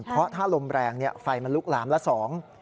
เพราะถ้าลมแรงไฟมันลุกหลามละสอง